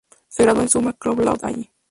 Se graduó en summa cum laude allí.